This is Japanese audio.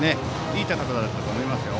いい高さだったと思いますよ。